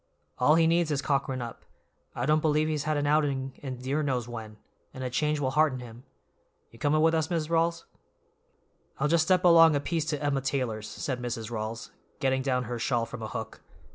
All he needs is cockerin' up; I don't believe he's had an outing in dear knows when, and a change will hearten him. You coming with us, Mis' Rawls?" "I'll just step along a piece to Emma Taylor's," said Mrs. Rawls, getting down her shawl from a hook.